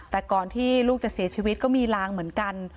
แต่ก่อนที่ลูกจะเสียชีวิตก็มีลางเหมือนกัน